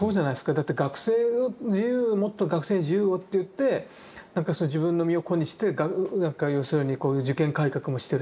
だって「もっと学生に自由を」って言って自分の身を粉にして要するにこういう受験改革もしてるし。